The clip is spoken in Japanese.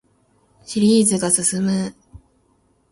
シリーズが進む